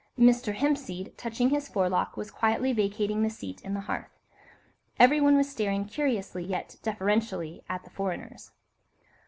Mr. Hempseed, touching his forelock, was quietly vacating the seat in the hearth. Everyone was staring curiously, yet deferentially, at the foreigners.